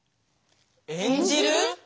演じる？